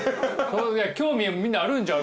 興味みんなあるんちゃう？